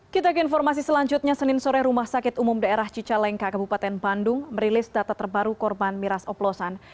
kita ke informasi selanjutnya senin sore rumah sakit umum daerah cicalengka kabupaten bandung merilis data terbaru korban miras oplosan